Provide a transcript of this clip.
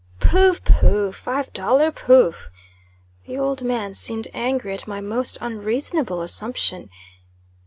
"Pho! Pho! Five dollar! Pho!" The old man seemed angry at my most unreasonable assumption.